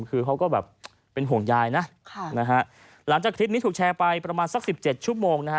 คือเขาก็แบบเป็นห่วงยายนะค่ะนะฮะหลังจากคลิปนี้ถูกแชร์ไปประมาณสักสิบเจ็ดชั่วโมงนะฮะ